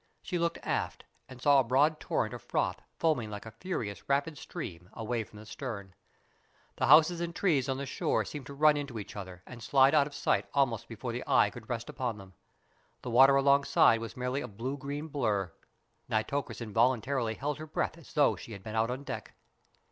She looked aft, and saw a broad torrent of froth, foaming like a furious, rapid stream away from the stern. The houses and trees on the shore seemed to run into each other, and slide out of sight almost before the eye could rest upon them. The water alongside was merely a blue green blur. Nitocris involuntarily held her breath as though she had been out on deck.